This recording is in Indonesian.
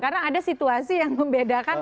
karena ada situasi yang membedakan